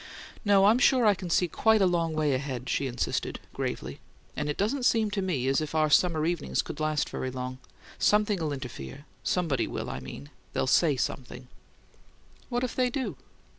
"No, I'm sure I can see quite a long way ahead," she insisted, gravely. "And it doesn't seem to me as if our summer evenings could last very long. Something'll interfere somebody will, I mean they'll SAY something " "What if they do?"